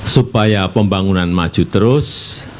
supaya pembangunan maju terus